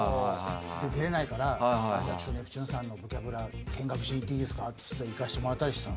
出られないからネプチューンさんの「ボキャブラ」見学しに行っていいですかって行かせてもらったりしてたの。